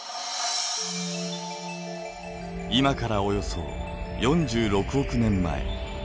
今からおよそ４６億年前。